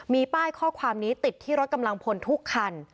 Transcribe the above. มีป้ายข้อความนี้ติดที่รถกำลังพลทุกคัน